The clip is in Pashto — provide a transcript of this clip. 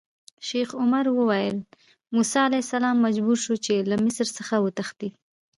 شیخ عمر ویل: موسی علیه السلام مجبور شو چې له مصر څخه وتښتي.